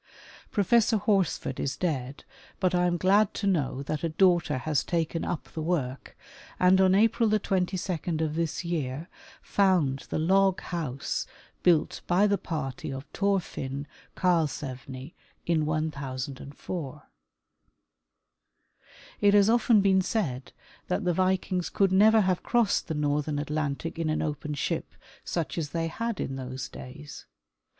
Professor Horsford is dead, but I am glad to know that a daughter has taken up the work, and on April 22 of this 3''ear found the log house built by the party of Thorfinn Karlsevne in 1004. It has often been said that the Vikings could never have crossed the northern Atlantic in an open ship such as they had in those days.